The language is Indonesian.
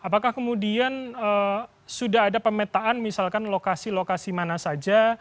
apakah kemudian sudah ada pemetaan misalkan lokasi lokasi mana saja